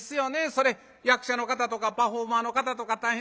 それ役者の方とかパフォーマーの方とか大変。